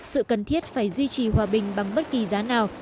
sự cần thiết phải duy trì hòa bình bằng bất kỳ giá nào